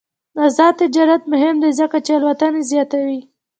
آزاد تجارت مهم دی ځکه چې الوتنې زیاتوي.